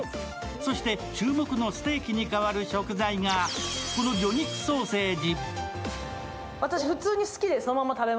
そして、注目のステーキに代わる食材が魚肉ソーセージ。